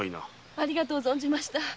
ありがとう存じました。